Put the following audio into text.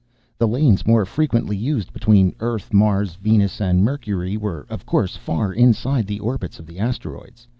The lanes more frequently used, between Earth, Mars, Venus and Mercury, were of course far inside the orbits of the asteroids.